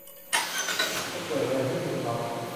จะเกิดอะไรขึ้นกับเค้า